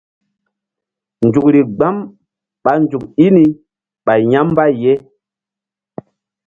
Nzukri gbam ɓa nzuk i ni ɓay ya̧ mbay ye.